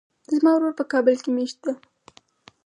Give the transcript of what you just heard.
زما ورور په کابل کې ميشت ده.